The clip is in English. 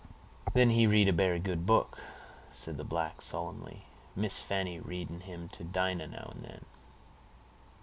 "Then he read a berry good book," said the black solemnly. "Miss Fanny read in him to Dinah now and den."